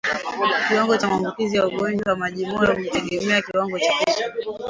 Kiwango cha maambukizi ya ugonjwa wa majimoyo hutegemea kiwango cha kupe